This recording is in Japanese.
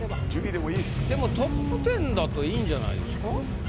でもトップ１０だといいんじゃないですか？